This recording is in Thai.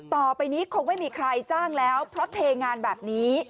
ต่อไปนี้คงไม่มีใครจ้างแล้วเพราะเทงานแบบนี้